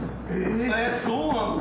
えっそうなんだ。